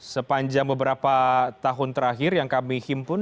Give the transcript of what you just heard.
sepanjang beberapa tahun terakhir yang kami himpun